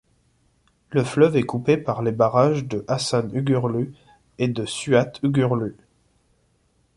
Le fleuve est coupé par les barrages de Hasan Uğurlu et de Suat Uğurlu.